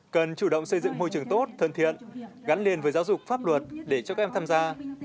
cần chủ động xây dựng môi trường tốt thân thiện gắn liền với giáo dục pháp luật để cho các em tham gia